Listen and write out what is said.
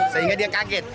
sehingga dia kaget